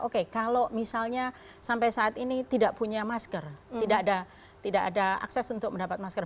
oke kalau misalnya sampai saat ini tidak punya masker tidak ada akses untuk mendapat masker